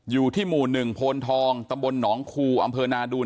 อยู่ที่หมู่๑โพนทองตำบลหนองคูอำเภอนาดูน